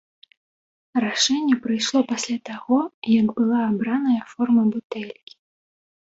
Рашэнне прыйшло пасля таго, як была абраная форма бутэлькі.